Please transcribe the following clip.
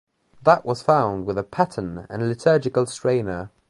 That was found with a paten and liturgical strainer.